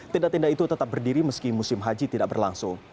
tenda tenda itu tetap berdiri meski musim haji tidak berlangsung